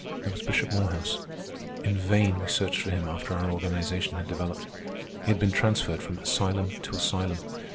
There was Bishop Morehouse. In vain we searched for him after our organization had developed. He had been transferred from asylum to asylum.